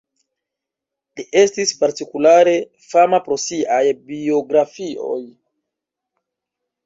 Li estis partikulare fama pro siaj biografioj.